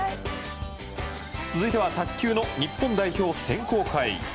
続いては卓球の日本代表選考会。